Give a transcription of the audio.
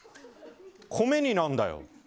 米になんだよ。